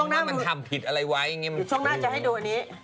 เขาบอกก็ไม่กลัวพูดอะไรหรอก